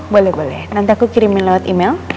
boleh boleh nanti aku kirimin lewat email